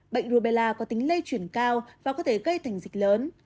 bệnh rubella có tính lây chuyển cao và có thể gây thành dịch lớn